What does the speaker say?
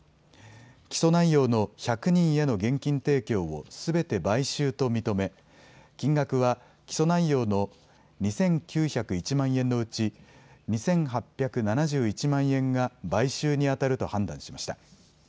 起訴内容の１００人への現金提供をすべて買収と認め金額は起訴内容の２９０１万円のうち２８７１万円が買収にあたると判断しました。